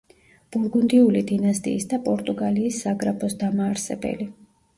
ბურგუნდიული დინასტიის და პორტუგალიის საგრაფოს დამაარსებელი.